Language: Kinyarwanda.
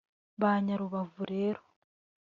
Banya Rubavu rero